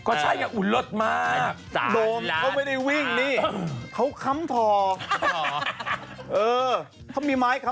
ก็ใช่จะอุลสมาก